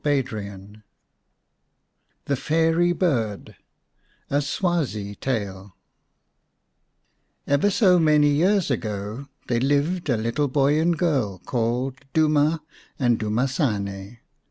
1H X THE FAIRY BIRD A SWAZI TALE EVER so many years ago there lived a little boy and girl called Duma and Dumasane.